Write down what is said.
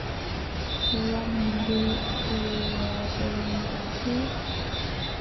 Kila mundu uw'ade ghake.